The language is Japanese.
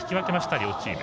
両チーム。